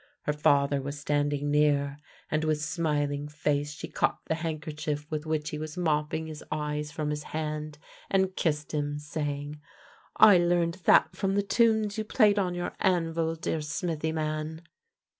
Her father v/as standing near, and with smiling face she caught the handkerchief with which he was mopping his eyes from his hand, and kissed him, saying: " I learned that from the tunes you played on your anvil, dear smithy man!